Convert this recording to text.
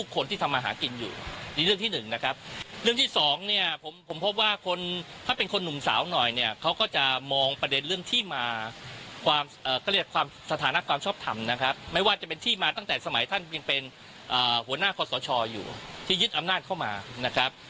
ก็คือเห็นได้ชัดว่าเนี้ยเป็นรัฐนุนที่สร้างมาเพื่อพลเอกประยุทธ์จริงจริงนะครับ